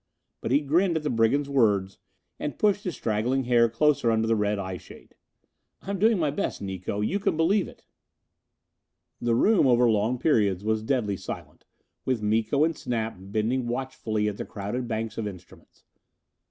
But he grinned at the brigand's words, and pushed his straggling hair closer under the red eyeshade. "I'm doing my best, Miko you can believe it." The room over long periods was deadly silent, with Miko and Snap bending watchfully at the crowded banks of instruments.